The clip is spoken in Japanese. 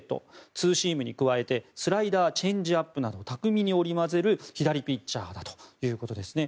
ツーシームに加えてスライダー、チェンジアップなど巧みに織り交ぜる左ピッチャーだということですね。